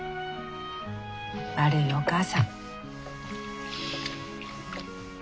悪いお母さん。